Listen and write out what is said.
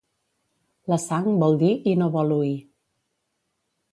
La sang vol dir i no vol oir.